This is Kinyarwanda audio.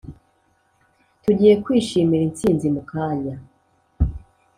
tugiye kwishimira intsinzi mukanya.